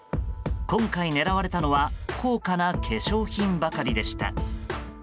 今回狙われたのは高価な化粧品ばかりでした。